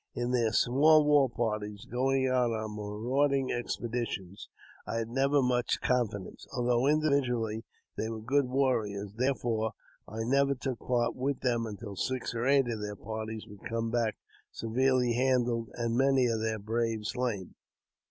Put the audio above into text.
In their small war parties going out on marauding expeditions I had never much confidence, although, individually, they were good warriors ; therefore I never took part with them until six or eight of their parties would come back severely handled, and many of their braves slain.